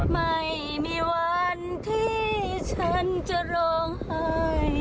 ไม่มีวันที่ฉันจะร้องไห้